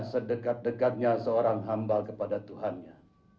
sedekat dekatnya seorang hamba kepada tuhannya